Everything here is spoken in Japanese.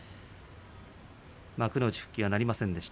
幕内復帰はなりませんでした。